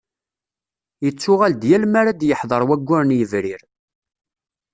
Yettuɣal-d yal mi ara d-yeḥḍer waggur n yebrir.